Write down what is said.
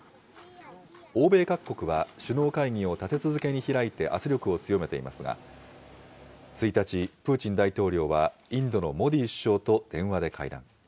欧米各国は首脳会議を立て続けに開いて圧力を強めていますが、１日、プーチン大統領はインドのモディ首相と電話で会談。